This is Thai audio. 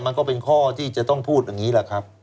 มันก็เป็นข้อที่จะต้องพูดอย่างนี้แหละครับ